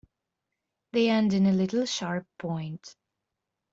They end in a little sharp point.